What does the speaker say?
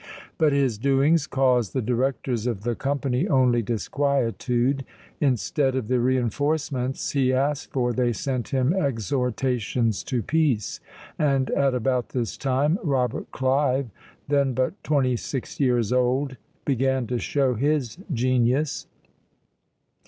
But his doings caused the directors of the company only disquietude; instead of the reinforcements he asked for they sent him exhortations to peace; and at about this time Robert Clive, then but twenty six years old, began to show his genius.